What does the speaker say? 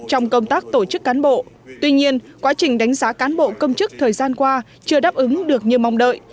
trong công tác tổ chức cán bộ tuy nhiên quá trình đánh giá cán bộ công chức thời gian qua chưa đáp ứng được như mong đợi